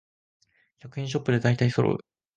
百円ショップでだいたいそろう